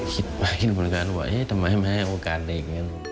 คิดไปคิดเหมือนกันว่าทำไมไม่ให้โอกาสเด็ก